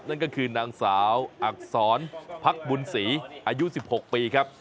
นั่นก็คือนางสาวอักษรพักบุญศรีอายุ๑๖ปีครับ